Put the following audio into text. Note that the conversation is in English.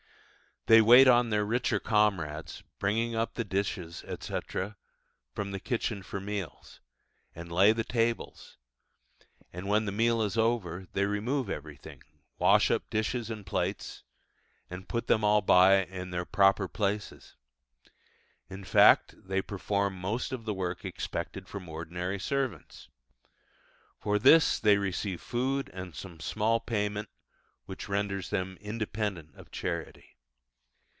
They wait on their richer comrades, bring up the dishes, etc., from the kitchen for meals, and lay the tables: and when the meal is over, they remove everything, wash up dishes and plates, and put them all by in their proper places. In fact, they perform most of the work expected from ordinary servants. For this they receive food and some small payment, which renders them independent of charity.